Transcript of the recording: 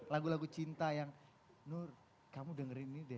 lagu lagu cinta yang nur kamu dengerin ini deh